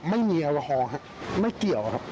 ไม่มีอวาฮอล์ครับไม่เกี่ยวครับ